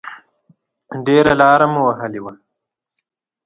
ډېره لاره مو وهلې وه.